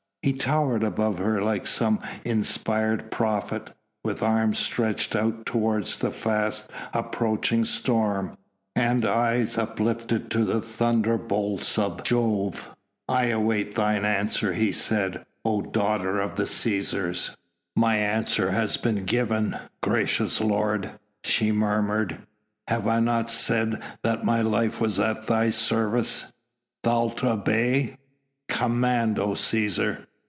He towered above her like some inspired prophet, with arms stretched out towards the fast approaching storm, and eyes uplifted to the thunderbolts of Jove. "I await thine answer," he said, "O daughter of the Cæsars." "My answer has been given, gracious lord," she murmured, "have I not said that my life was at thy service?" "Thou'lt obey?" "Command, O Cæsar!"